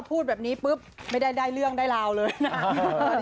พูดแบบนี้ปุ๊บไม่ได้ได้เรื่องได้ราวเลยนะ